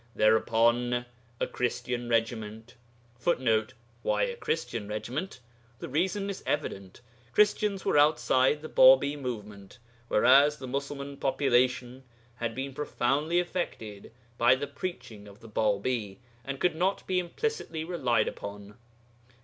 Thereupon a Christian regiment [Footnote: Why a Christian regiment? The reason is evident. Christians were outside the Bābī movement, whereas the Musulman population had been profoundly affected by the preaching of the Bābī, and could not be implicitly relied upon.